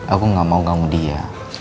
aku gak mau ganggu dia